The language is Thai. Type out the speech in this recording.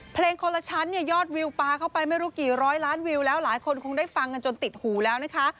เพลงคนละชั้นเนี่ยยอดวิวปลาเข้าไปไม่รู้กี่ร้อยล้านวิวแล้วหลายคนคงได้ฟังกันจนติดหูแล้วนะคะ